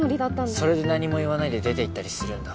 それで何も言わないで出て行ったりするんだ。